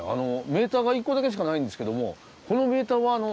メーターが１個だけしかないんですけどもこのメーターはあの？